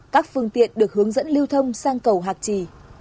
các phương tiện được hướng dẫn lưu thông sang cầu hạc trì